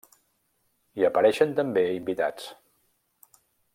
Hi apareixen també invitats.